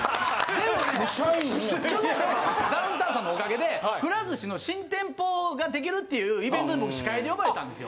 でもねダウンタウンさんのおかげでくら寿司の新店舗ができるっていうイベントに僕司会で呼ばれたんですよ。